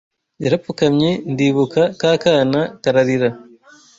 Yarapfukamye ndibuka Ka kana kararira